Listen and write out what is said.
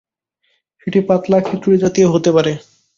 সেটি পাতলা খিচুড়িজাতীয় হতে পারে।